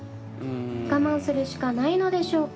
我慢するしかないのでしょうか？